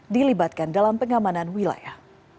dilibatkan dalam pengamanan wilayah